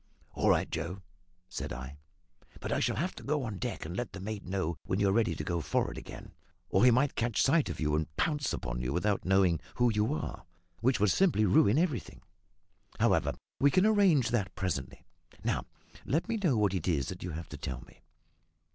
"All right, Joe," said I. "But I shall have to go on deck and let the mate know, when you are ready to go for'ard again, or he might catch sight of you and pounce upon you without knowing who you are; which would simply ruin everything. However, we can arrange that presently. Now, let me know what it is that you have to tell me."